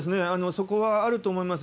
そこはあると思います。